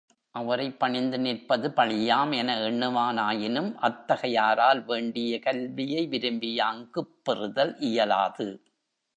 அவரைப் பணிந்து நிற்பது பழியாம்! என எண்ணுவானாயினும் அத்தகையாரால் வேண்டிய கல்வியை விரும்பியாங்குப் பெறுதல் இயலாது.